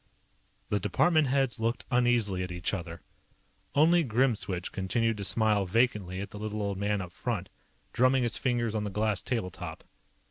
The department heads looked uneasily at each other. Only Grimswitch continued to smile vacantly at the little old man up front, drumming his fingers on the glass table top.